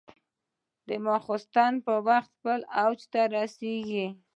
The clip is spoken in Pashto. د ماخوستن په وخت خپل اوج ته رسېږي.